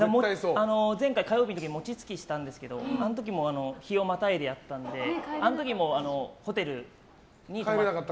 前回火曜日は餅つきしたんですがあの時も日をまたいでやったのであの時もホテルに泊まって。